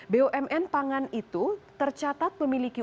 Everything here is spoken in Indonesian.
bumn pangan itu tercatat memiliki